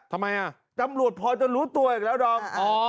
ทำไมอ่ะตำรวจพอจะรู้ตัวอีกแล้วดอม